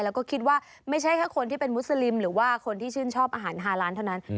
แล้วก็คิดว่าไม่ใช่แค่คนที่เป็นมุสลิมหรือว่าคนที่ชื่นชอบอาหารฮาล้านเท่านั้น